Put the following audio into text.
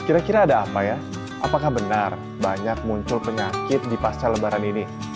kira kira ada apa ya apakah benar banyak muncul penyakit di pasca lebaran ini